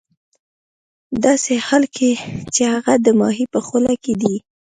ه داسې حال کې چې هغه د ماهي په خوله کې دی